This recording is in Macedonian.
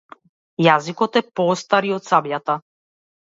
Јaзикoт е пoоcтap и oд caбjaтa.